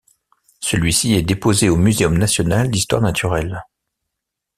Celui-ci est déposé au Muséum national d'histoire naturelle.